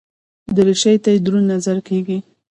دریشي ته دروند نظر کېږي.